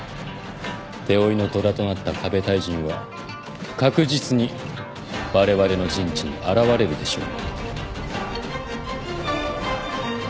手負いの虎となったＫＡＢＥ太人は確実にわれわれの陣地に現れるでしょう。